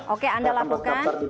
oke anda lakukan